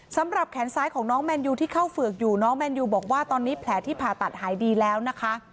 สำหรับแขนซ้ายของน้องแมนยูที่เข้าเฝือกอยู่น้องแมนยูบอกว่าตอนนี้แผลที่ผ่าตัดหายดีแล้วนะคะ